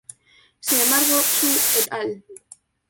Sin embargo Xu "et al.